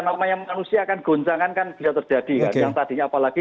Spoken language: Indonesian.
namanya manusia akan goncang kan bisa terjadi yang tadinya apalagi